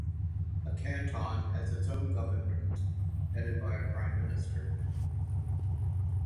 A canton has its own government headed by a prime minister.